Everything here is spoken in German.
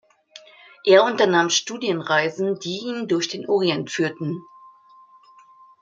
Er unternahm Studienreisen, die ihn durch den Orient führten.